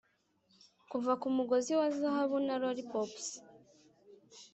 kuva kumugozi wa zahabu, na lollipops,